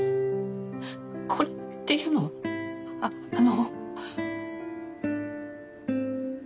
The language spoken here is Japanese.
これっていうのはあの。